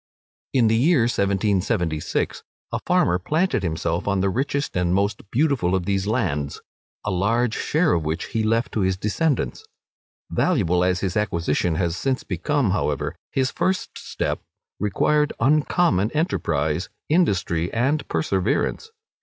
In the year 1776, a farmer planted himself on the richest and most beautiful of these lands, a large share of which he left to his descendants. Valuable as his acquisition has since become, however, his first step required uncommon enterprise, industry, and perseverance.